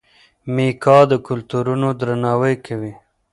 میکا د کلتورونو درناوی کوي.